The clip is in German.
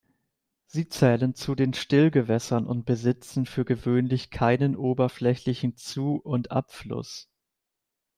Sie zählen zu den Stillgewässern und besitzen für gewöhnlich keinen oberflächlichen Zu- und Abfluss.